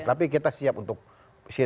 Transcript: worry sih tidak lah